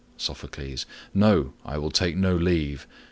Sophocles. No, I will take no leave.